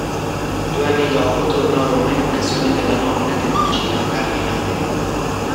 Due anni dopo tornò a Roma in occasione della nomina del cugino a cardinale.